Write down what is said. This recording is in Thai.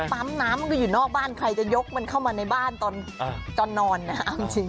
ปั๊มน้ำมันก็อยู่นอกบ้านใครจะยกมันเข้ามาในบ้านตอนนอนนะเอาจริง